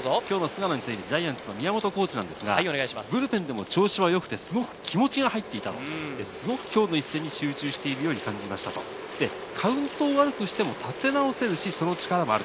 菅野についてジャイアンツ宮本コーチですがブルペンでも調子は良く、すごく気持ちが入っていたと、今日の一戦に集中してるように感じましたと、カウントを悪くしても立て直せるし、その力もある。